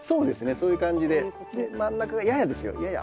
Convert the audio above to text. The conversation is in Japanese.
そういう感じでで真ん中がややですよやや。